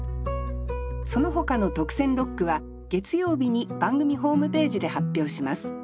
そのほかの特選六句は月曜日に番組ホームページで発表します。